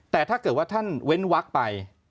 แต่ถ้าเกิดว่าท่านเว้นวักไป